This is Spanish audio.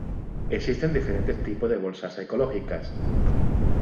Existen diferentes tipos de bolsas ecológicas.